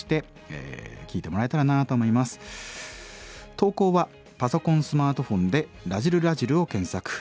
投稿はパソコンスマートフォンで「らじる★らじる」を検索。